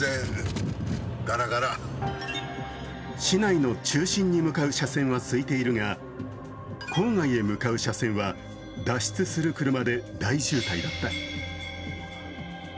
市内の中心に向かう車線はすいているが、郊外へ向かう車線は脱出する車で大渋滞だった。